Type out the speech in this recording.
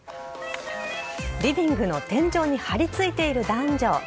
リビングの天井に張り付いている男女。